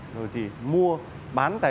rồi thì mua bán